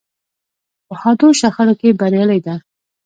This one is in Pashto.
په حادو شخړو کې بریالۍ ده.